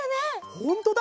ほんとだ！